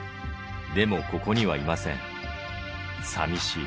でも、ここにはいません。